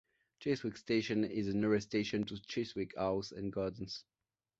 Chiswick station is the nearest station to Chiswick House and gardens.